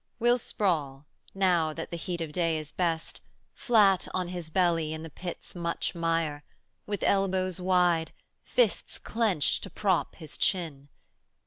['Will sprawl, now that the heat of day is best, Flat on his belly in the pit's much mire, With elbows wide, fists clenched to prop his chin.